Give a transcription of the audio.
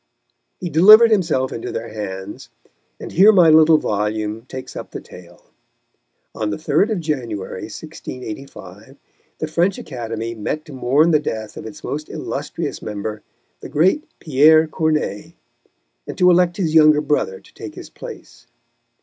He delivered himself into their hands, and here my little volume takes up the tale. On the 3rd of January, 1685, the French Academy met to mourn the death of its most illustrious member, the great Pierre Corneille, and to elect his younger brother to take his place.